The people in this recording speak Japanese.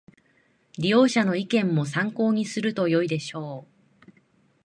利用者の意見も参考にするとよいでしょう